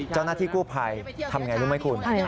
เจ้าหน้าที่กู้ภัยทำอย่างไรรู้ไหมคุณ